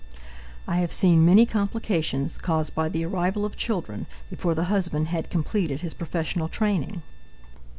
I have seen many complications caused by the arrival of children before the husband had completed his professional training.